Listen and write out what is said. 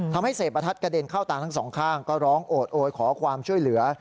ทำให้เศษประทัดกระเด็นเข้าตาทั้งสองข้างก็ร้องโอดโอยขอความช่วยเหลือ